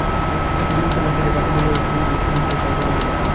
অপু দ্বিরুক্তি না করিয়া বাটি উঠাইয়া লইয়া দুধ চুমুক দিয়া খাইতে লাগিল।